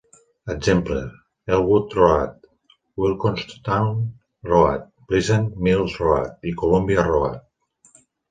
Exemples: Elwood Road, Weekstown Road, Pleasant Mills Road i Columbia Road.